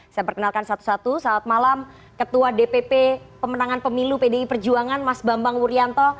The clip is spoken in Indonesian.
saya perkenalkan satu satu saat malam ketua dpp pemenangan pemilu pdi perjuangan mas bambang wuryanto